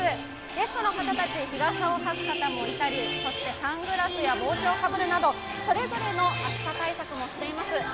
ゲストの方たち、日傘を差す方もいたり、サングラスや帽子をかぶるなどそれぞれの暑さ対策もしています。